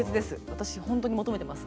私ほんとに求めてます